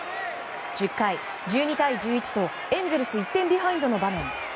１０回、１２対１１とエンゼルス１点ビハインドの場面。